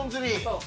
そう。